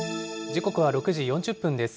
時刻は６時４０分です。